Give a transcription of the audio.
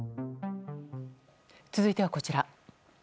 続いては、こちら。